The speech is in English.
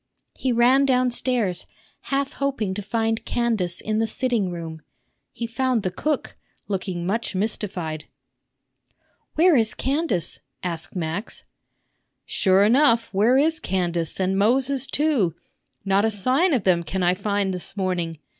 He ran downstairs, half hoping to find Candace in the sitting room. He found the cook, looking much mystified. "Where is Candace?" asked Max. "Sure enough, where is Candace, and Moses too? Not a sign of them can I find this morning.